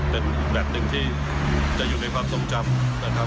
เป็นแบบนึงที่อยู่ในความทรงจำ